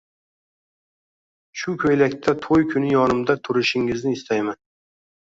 Shuko`ylakda to`y kuni yonimda turishingizni istayman